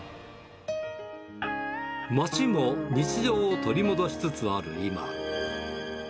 街も日常を取り戻しつつある今。